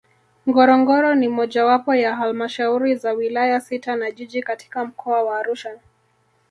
Ngorongoro ni mojawapo ya Halmashauri za Wilaya sita na Jiji katika Mkoa wa Arusha